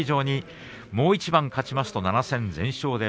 もう一番勝ちますと７戦全勝。